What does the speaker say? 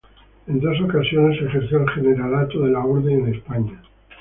En dos ocasiones ejerció el generalato de la orden en España.